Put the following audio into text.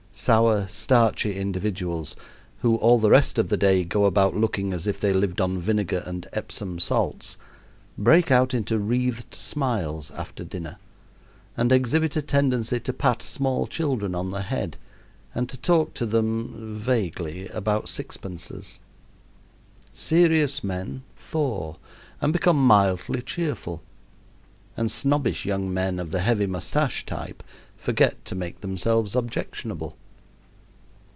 Sour, starchy individuals, who all the rest of the day go about looking as if they lived on vinegar and Epsom salts, break out into wreathed smiles after dinner, and exhibit a tendency to pat small children on the head and to talk to them vaguely about sixpences. Serious men thaw and become mildly cheerful, and snobbish young men of the heavy mustache type forget to make themselves objectionable.